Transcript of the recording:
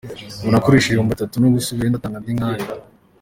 Ubu nakoresheje ibihumbi bitatu no gusubirayo ndatanga andi nk’ayo.